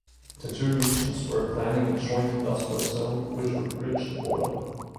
The two regions are planning a joint industrial zone which would bridge the border.